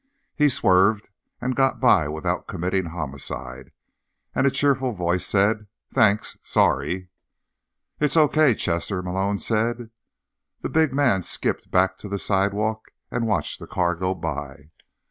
He swerved and got by without committing homicide, and a cheerful voice said: "Thanks, sorry." "It's okay, Chester," Malone said. The big man skipped back to the sidewalk and watched the car go by.